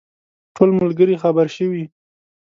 ټول ملګري خبر شوي.